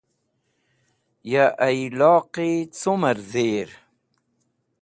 Ya iyloqi cumẽr dhir?